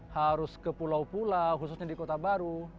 harus ke pulau pulau khususnya di kota baru